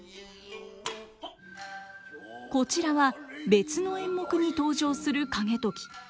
こちらは別の演目に登場する景時。